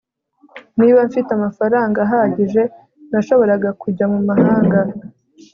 niba mfite amafaranga ahagije, nashoboraga kujya mumahanga